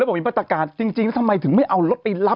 บอกมีมาตรการจริงแล้วทำไมถึงไม่เอารถไปรับ